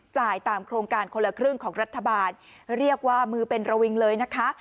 จ่ายตามโครงการคนละครึ่งของรัฐบาลเรียกว่ามือเป็นระวิงเลยนะคะ